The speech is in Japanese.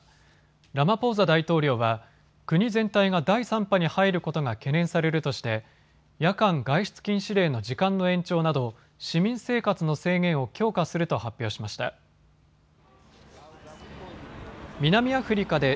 ラマポーザ大統領は国全体が第３波に入ることが懸念されるとして夜間外出禁止令の時間の延長など市民生活の制限を強化すると発表しました。